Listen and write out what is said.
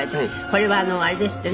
これはあれですってね。